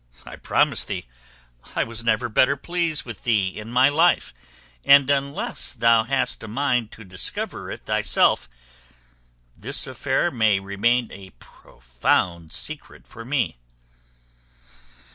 I promise thee, I was never better pleased with thee in my life; and unless thou hast a mind to discover it thyself, this affair may remain a profound secret for me."